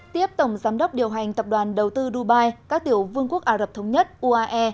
tiếp tổng giám đốc điều hành tập đoàn đầu tư dubai các tiểu vương quốc ả rập thống nhất uae